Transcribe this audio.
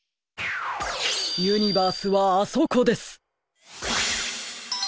ユニバースはあそこです！